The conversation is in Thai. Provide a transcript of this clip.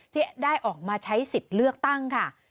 ที่ได้ออกมาใช้สิทธิ์เลือกตั้งค่ะ